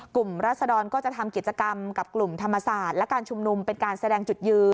รัศดรก็จะทำกิจกรรมกับกลุ่มธรรมศาสตร์และการชุมนุมเป็นการแสดงจุดยืน